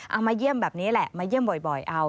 เอามาเยี่ยมแบบนี้แหละมาเยี่ยมบ่อยเอา